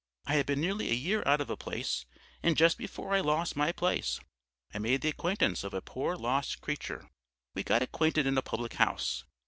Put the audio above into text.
I had been nearly a year out of a place, and just before I lost my place I made the acquaintance of a poor lost creature. We got acquainted in a public house.